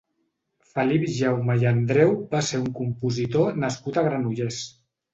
Felip Jaume i Andreu va ser un compositor nascut a Granollers.